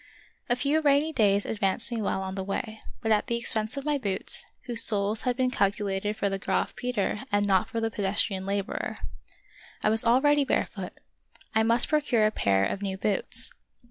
A few rainy days advanced me well on the way, but at the expense of my boots, whose soles had been calculated for the Graf Peter and not for the pedestrian laborer. I was al ready barefoot; I must procure a pair of new boots.